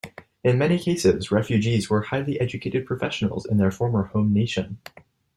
In many cases, Refugees were highly educated professionals in their former home nation.